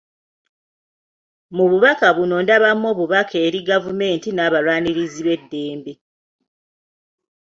Mu bubaka buno ndabamu obubaka eri Gavumenti n'abalwanirizi b'eddembe